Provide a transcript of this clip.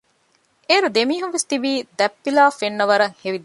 އޭރު ދެމީހުންވެސް ތިބީ ދަތްޕިލާ ފެންނަވަރަށް ހެވިދިލިފަ